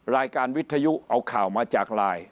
รายการวิทยุเอาข่าวมาจากไลน์